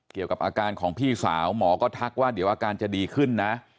เกี่ยวกับอาการของพี่สาวหมอก็ทักว่าเดี๋ยวอาการจะดีขึ้นนะ